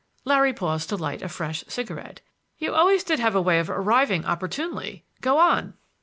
Larry paused to light a fresh cigarette. "You always did have a way of arriving opportunely. Go on!"